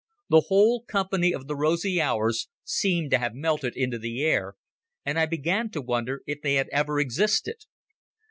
The whole Company of the Rosy Hours seemed to have melted into the air, and I began to wonder if they had ever existed.